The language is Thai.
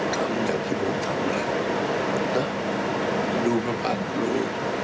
ทำอย่างที่ผมทำเลยนะดูพระพักษณ์ด้วย